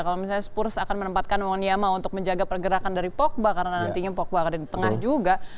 kalau misalnya spurs akan menempatkan woniama untuk menjaga pergerakan dari pogba karena nantinya pogba akan ada di tengah juga